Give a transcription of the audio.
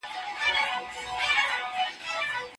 سبا به موږ یو نوی ورکشاپ پیل کړو.